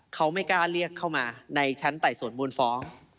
เขาไม่กล้าเรียกเข้ามาในชั้นไต่สวนมูลฟ้อง